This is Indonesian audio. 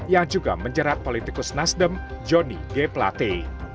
yang juga menjerat politikus nasdem joni g plate